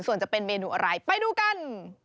ส่วนจะเป็นเมนูอะไรไปดูกัน